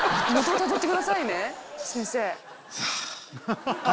先生。